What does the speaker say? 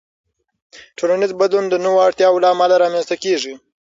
ټولنیز بدلون د نوو اړتیاوو له امله رامنځته کېږي.